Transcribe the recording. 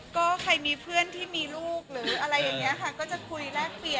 ก็ใครมีเพื่อนที่มีลูกอะไรอย่างเนี้ย